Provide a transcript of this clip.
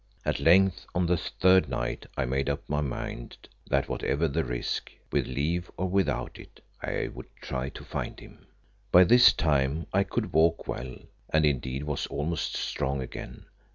At length, on the third night I made up my mind that whatever the risk, with leave or without it, I would try to find him. By this time I could walk well, and indeed was almost strong again.